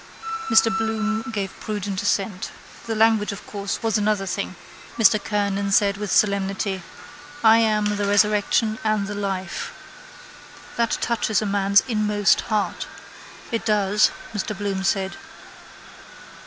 Mr Bloom gave prudent assent. The language of course was another thing. Mr Kernan said with solemnity: —I am the resurrection and the life. That touches a man's inmost heart. —It does, Mr Bloom said.